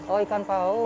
oh ikan paus